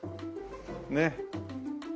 ねえ。